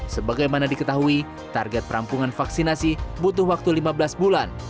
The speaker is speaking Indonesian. sebagaimana diketahui target perampungan vaksinasi butuh waktu lima belas bulan